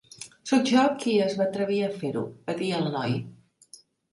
"Soc jo qui es va atrevir a fer-ho", va dir el noi.